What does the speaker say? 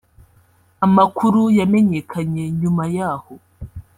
Amakuru yamenyekanye nyuma yaho